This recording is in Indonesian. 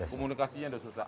komunikasinya sudah susah